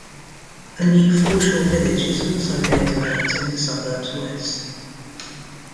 A new foreshore village is also being developed in the suburb's west.